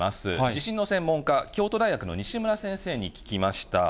地震の専門家、京都大学の西村先生に聞きました。